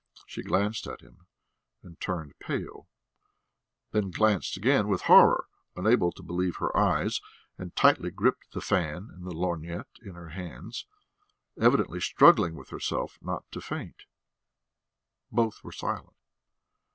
She glanced at him and turned pale, then glanced again with horror, unable to believe her eyes, and tightly gripped the fan and the lorgnette in her hands, evidently struggling with herself not to faint. Both were silent.